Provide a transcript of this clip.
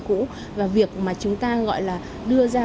cũ và việc mà chúng ta gọi là đưa ra